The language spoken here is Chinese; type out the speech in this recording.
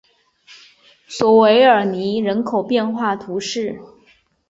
索韦尔尼人口变化图示